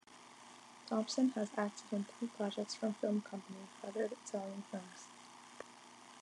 Thompson has acted in three projects from film company, Feathered Italian Films.